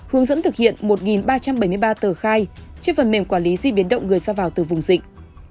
hướng dẫn thực hiện một ba trăm bảy mươi ba tờ khai trên phần mềm quản lý di biến động người ra vào từ vùng dịch